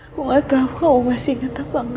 aku gak tau kamu masih inget apa gak